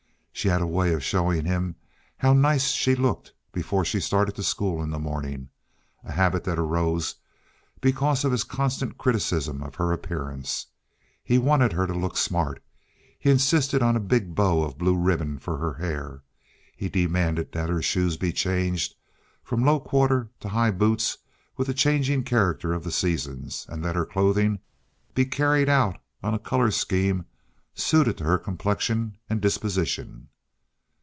She had a way of showing him how nice she looked before she started to school in the morning, a habit that arose because of his constant criticism of her appearance. He wanted her to look smart, he insisted on a big bow of blue ribbon for her hair, he demanded that her shoes be changed from low quarter to high boots with the changing character of the seasons' and that her clothing be carried out on a color scheme suited to her complexion and disposition.